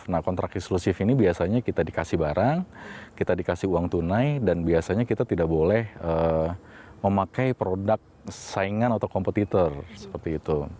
nah kontrak eksklusif ini biasanya kita dikasih barang kita dikasih uang tunai dan biasanya kita tidak boleh memakai produk saingan atau kompetitor seperti itu